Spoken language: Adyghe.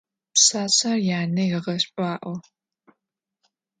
Пшъашъэр янэ егъэшӀуаӀо.